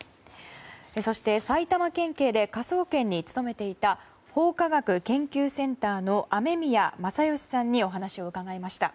そして、埼玉県警で科捜研に勤めていた法科学研究センターの雨宮正欣さんにお話を伺いました。